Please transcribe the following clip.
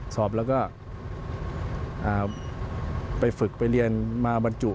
สอบแล้วก็ไปฝึกไปเรียนมาบรรจุ